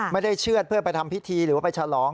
เชื่อดเพื่อไปทำพิธีหรือว่าไปฉลอง